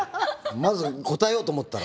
まず答えようと思ったら。